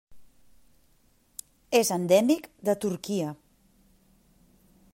És endèmic de Turquia.